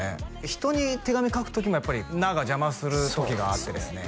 人に手紙書く時もやっぱり「な」が邪魔する時があってですね